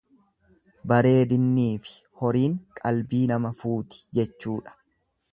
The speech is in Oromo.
Bareeddinniifi horiin qalbii nama fuuti jechuudha.